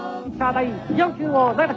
第４球を投げた！